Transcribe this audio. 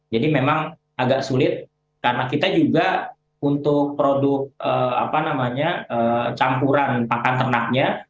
jadi memang agak sulit karena kita juga untuk produk campuran pakan ternaknya